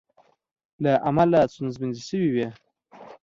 له امله ستونزمنې شوې وې